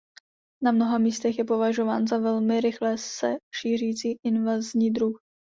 Na mnoha místech je považován za velmi rychle se šířící invazní druh.